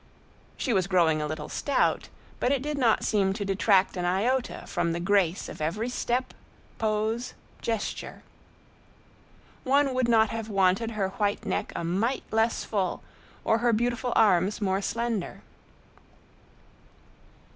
She was growing a little stout, but it did not seem to detract an iota from the grace of every step, pose, gesture. One would not have wanted her white neck a mite less full or her beautiful arms more slender.